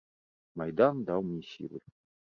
Майдан даў мне сілы.